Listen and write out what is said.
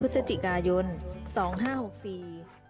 พฤศจิกายน๒๕๖๔มนี้